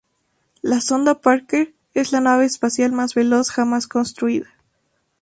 La sonda Parker es la nave espacial más veloz jamás construida.